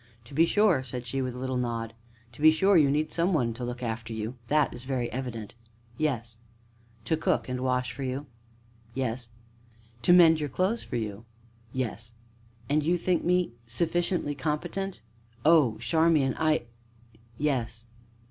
"To be sure," said she, with a little nod, "to be sure, you need some one to to look after you that is very evident!" "Yes." "To cook and wash for you." "Yes." "To mend your clothes for you." "Yes." "And you think me sufficiently competent?" "Oh, Charmian, I yes."